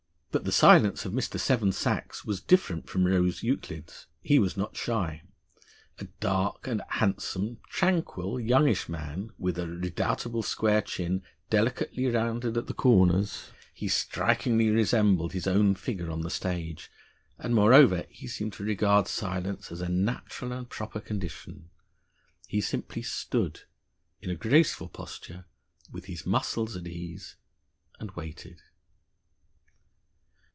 But the silence of Mr. Seven Sachs was different from Rose Euclid's. He was not shy. A dark and handsome, tranquil, youngish man, with a redoubtable square chin, delicately rounded at the corners, he strikingly resembled his own figure on the stage; and, moreover, he seemed to regard silence as a natural and proper condition. He simply stood, in a graceful posture, with his muscles at ease, and waited.